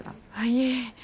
いえ。